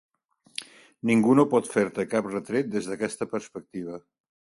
Ningú no pot fer-te cap retret des d’aquesta perspectiva.